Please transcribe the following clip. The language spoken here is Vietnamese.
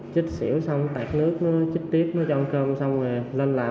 chích xỉu xong tạt nước nó chích tiếp nó cho ăn cơm xong rồi lên làm